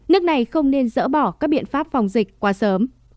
nước này không nên dỡ bỏ các biện pháp phòng dịch qua sớm